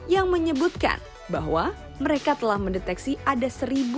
yang menyebutkan bahwa mereka telah mendeteksi ada seribu tiga ratus file palsu